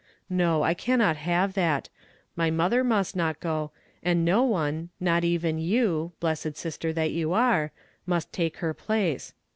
" No, I cannot have that. JMy mother nuist not go, and no one, not even you, blessed sister that you are, must take her place.